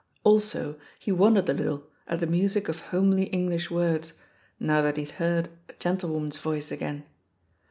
Also he wondered a little at the music of homely English words, now that he had heard a gentlewoman's voice again.